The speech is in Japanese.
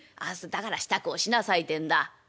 だから支度をしなさいてんだ」。